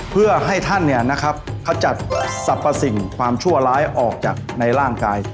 เพื่อให้ท่านเนี่ยนะครับเขาจัดสรรพสิ่งความชั่วร้ายออกจากในร่างกาย